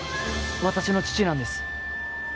私の父なんです。